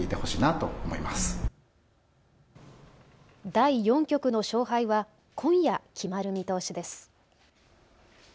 第４局の勝敗は今夜、決まる見通しです。